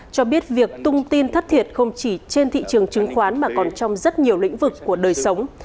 cho biết việc tung tin thất thiệt không chỉ trên thị trường chứng khoán mà còn trong rất nhiều lĩnh vực của đời sống